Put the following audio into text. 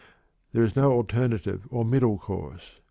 There is no other alternative or middle course.